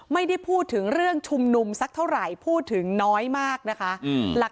ไม่ได้พูดถึงเรื่องชุมนุมสักเท่าไหร่พูดถึงน้อยมากนะคะ